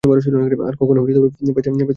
আর কখনো পেস্তা নিয়ে কথা বলা যাবেনা।